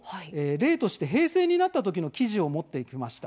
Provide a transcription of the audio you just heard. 例として平成になった時の記事を持ってきました。